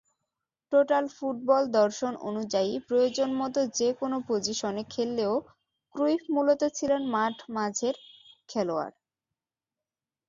Total football দর্শন অনুযায়ী প্রয়োজনমতো যেকোনো পজিশনে খেললেও ক্রুইফ মূলত ছিলেন মাঝমাঠের খেলোয়াড়।